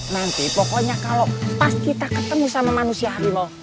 nanti pokoknya kalau pas kita ketemu sama manusia harimau